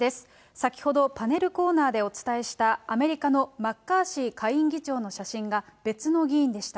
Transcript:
先ほど、パネルコーナーでお伝えした、アメリカのマッカーシー下院議長の写真が、別の議員でした。